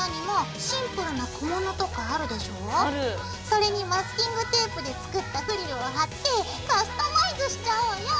それにマスキングテープで作ったフリルを貼ってカスタマイズしちゃおうよ！